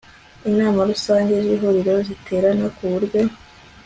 inama rusange z lhuriro ziterana ku buryo